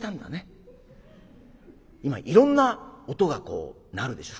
今いろんな音が鳴るでしょ？